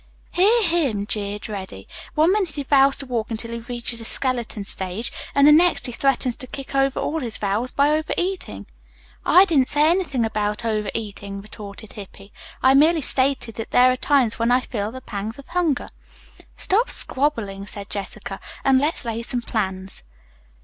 "Hear him," jeered Reddy. "One minute he vows to walk until he reaches the skeleton stage, and the next he threatens to kick over all his vows by overeating." "I didn't say anything about overeating," retorted Hippy. "I merely stated that there are times when I feel the pangs of hunger." "Stop squabbling," said Jessica, "and let's lay some plans."